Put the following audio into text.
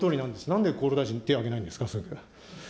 なんで厚労大臣、手挙げないんですか。